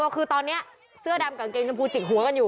คือตอนนี้เสื้อดำกางเกงชมพูจิกหัวกันอยู่